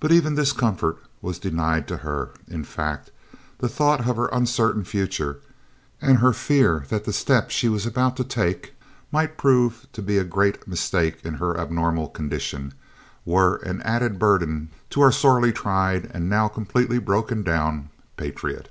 But even this comfort was denied to her; in fact, the thought of her uncertain future, and her fear that the step she was about to take might prove to be a great mistake in her abnormal condition, were an added burden to our sorely tried and now completely broken down patriot.